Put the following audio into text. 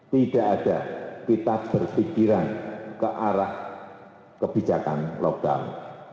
tidak ada kita berpikiran ke arah kebijakan lockdown